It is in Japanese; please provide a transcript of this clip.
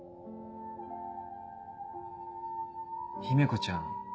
姫子ちゃん